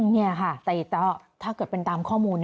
นี่ค่ะแต่ถ้าเกิดเป็นตามข้อมูล